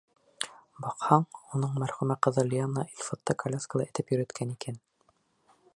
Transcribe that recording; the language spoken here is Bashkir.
Баҡһаң, уның мәрхүмә ҡыҙы Лиана Илфатты коляскала этеп йөрөткән икән.